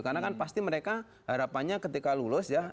karena kan pasti mereka harapannya ketika lulus ya